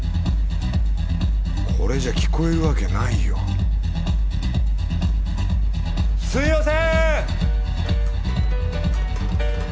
これじゃ聞こえるわけないよすみません！